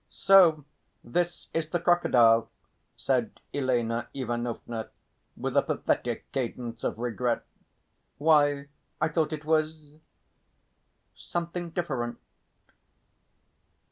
"So this is the crocodile!" said Elena Ivanovna, with a pathetic cadence of regret. "Why, I thought it was ... something different."